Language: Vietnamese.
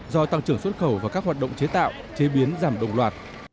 do tăng trưởng xuất khẩu và các hoạt động chế tạo chế biến giảm đồng loạt